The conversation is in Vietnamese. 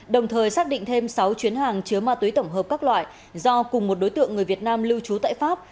đồng thời xác định thêm sáu chuyến hàng chứa ma túy tổng hợp các loại do cùng một đối tượng người việt nam lưu trú tại pháp